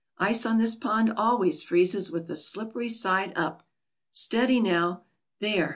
Ice on this pond always freezes with the slippery side up. Steady, now. There!